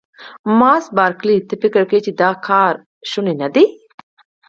مس بارکلي: ته فکر کوې چې دا کار شونی نه دی؟